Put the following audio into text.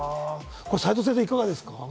齋藤先生、いかがですか。